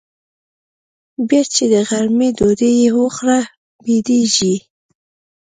بيا چې د غرمې ډوډۍ يې وخوړه بيدېږي.